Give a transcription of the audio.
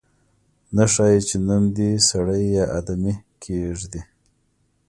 نه ښايي چې نوم دې سړی یا آدمي کېږدي.